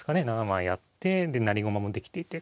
７枚あって成駒もできていて。